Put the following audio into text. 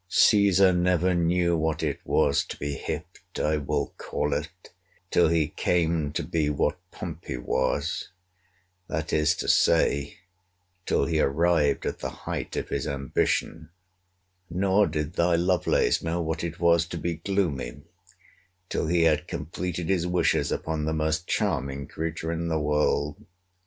Caesar never knew what it was to be hipped, I will call it, till he came to be what Pompey was; that is to say, till he arrived at the height of his ambition: nor did thy Lovelace know what it was to be gloomy, till he had completed his wishes upon the most charming creature in the world.